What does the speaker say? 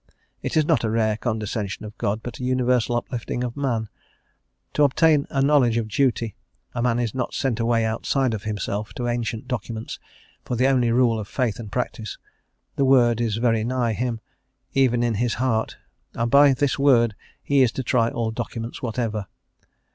It is not a rare condescension of God, but a universal uplifting of man. To obtain a knowledge of duty, a man is not sent away outside of himself to ancient documents for the only rule of faith and practice; the Word is very nigh him, even in his heart, and by this word he is to try all documents whatever....